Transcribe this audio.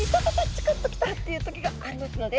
チクッときた！っていう時がありますので。